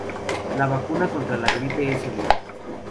La vacuna contra la gripe es segura.